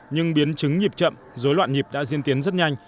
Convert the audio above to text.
nhưng biến chứng nhịp chậm dối loạn nhịp đã diễn tiến rất nhanh